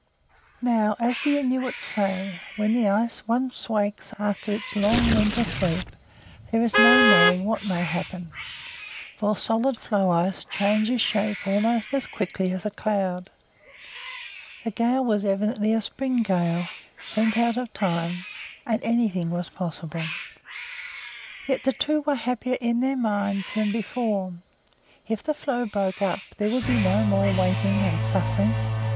Now, as the Inuit say, when the ice once wakes after its long winter sleep, there is no knowing what may happen, for solid floe ice changes shape almost as quickly as a cloud. The gale was evidently a spring gale sent out of time, and anything was possible. Yet the two were happier in their minds than before. If the floe broke up there would be no more waiting and suffering.